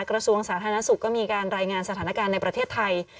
กระทรวงสาธารณสุขก็มีการรายงานสถานการณ์ในประเทศไทย